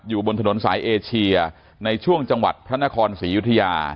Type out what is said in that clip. อยู่บนถนนสายเอเชียในช่วงจังหวัดพระนครศรียุธยา